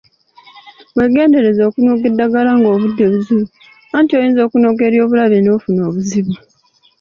Weegendereze okunoga eddagala ng'obudde buzibye anti oyinza okunoga ery'obulabe n'ofuna obuzibu.